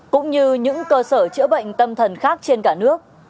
cơ sở chữa bệnh tâm thần khác trên cả nước